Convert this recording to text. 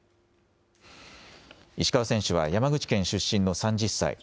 石川選手は山口県出身の３０歳。